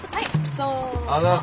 どうぞ。